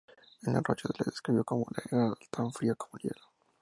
De la Rocha la describió como que era tan fría como el hielo.